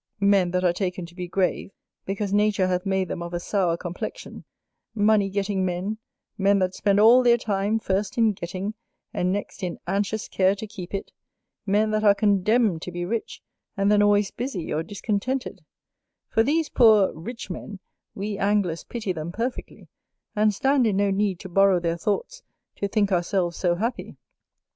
Men that are taken to be grave, because nature hath made them of a sour complexion; money getting men, men that spend all their time, first in getting, and next, in anxious care to keep it; men that are condemned to be rich, and then always busy or discontented: for these poor rich men, we Anglers pity them perfectly, and stand in no need to borrow their thoughts to think ourselves so happy.